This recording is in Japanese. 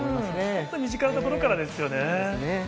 本当身近なところからですよね。